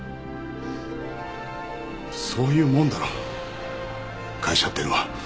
そういうもんだろ会社ってのは。